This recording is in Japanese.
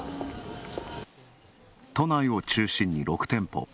都内を中心に６店舗。